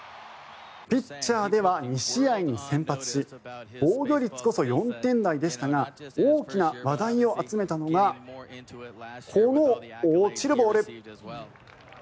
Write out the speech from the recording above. ピッチャーでは２試合に先発し防御率こそ４点台でしたが大きな話題を集めたのがこの落ちるボール。